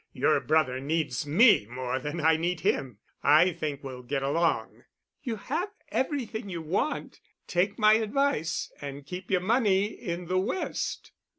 Your brother needs me more than I need him. I think we'll get along." "You have everything you want. Take my advice and keep your money in the West."